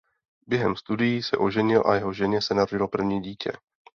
Během studií se oženil a jeho ženě se narodilo první dítě.